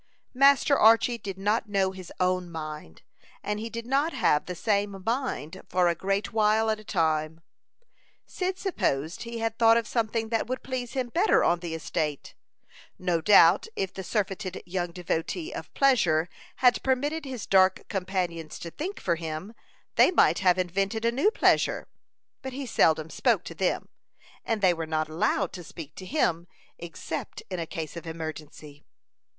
Master Archy did not know his own mind; and he did not have the same mind for a great while at a time. Cyd supposed he had thought of something that would please him better on the estate. No doubt if the surfeited young devotee of pleasure had permitted his dark companions to think for him, they might have invented a new pleasure; but he seldom spoke to them, and they were not allowed to speak to him, except in a case of emergency.